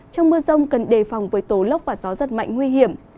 trong mưa rông cần đề phòng với tố lốc và gió rất mạnh nguy hiểm